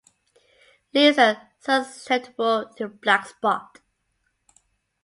Leaves are susceptible to blackspot.